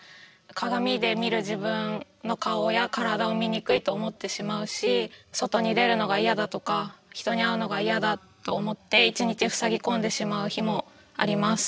鏡で見る自分の顔や体を醜いと思ってしまうし外に出るのが嫌だとか人に会うのが嫌だと思って一日ふさぎ込んでしまう日もあります。